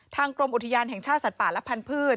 กรมอุทยานแห่งชาติสัตว์ป่าและพันธุ์